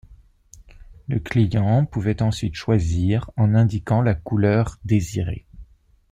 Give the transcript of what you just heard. Le client pouvait ensuite choisir en indiquant la couleur désirée.